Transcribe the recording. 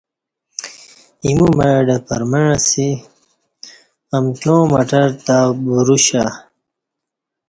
ایمو مع اہ ڈہ پرمع اسی امکیاں مٹرتہ بروشیا